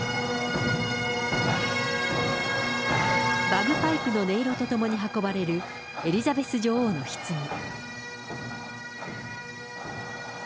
バグパイプの音色とともに運ばれるエリザベス女王のひつぎ。